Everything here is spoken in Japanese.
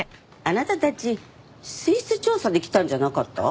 あなたたち水質調査で来たんじゃなかった？